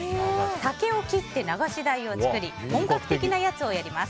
竹を切って流し台を作り本格的なやつをやります。